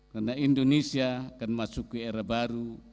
karena indonesia akan masuk ke era baru